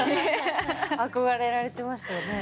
憧れられてますよね。